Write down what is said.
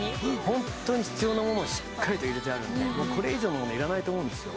ホントに必要なものをしっかりと入れてあるんでもうこれ以上のものいらないと思うんですよ